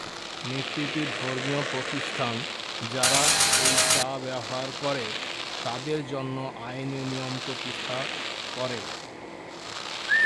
নীতিটি ধর্মীয় প্রতিষ্ঠান যারা এই চা ব্যবহার করে তাদের জন্য আইনি নিয়ম প্রতিষ্ঠা করে।